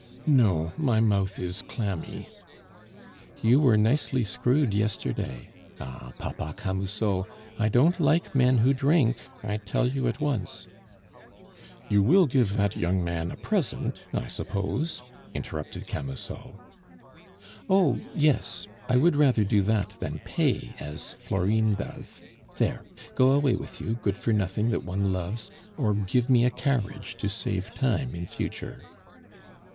"No, my mouth is clammy." "You were nicely screwed yesterday. Ah! Papa Camusot, I don't like men who drink, I tell you at once " "You will give that young man a present, I suppose?" interrupted Camusot. "Oh! yes. I would rather do that than pay as Florine does. There, go away with you, good for nothing that one loves; or give me a carriage to save time in future."